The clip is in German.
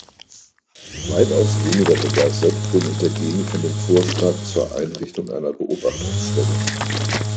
Weitaus weniger begeistert bin ich dagegen von dem Vorschlag zur Einrichtung einer Beobachtungsstelle.